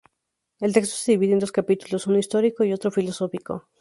El texto se divide en dos capítulos, uno histórico y otro filosófico.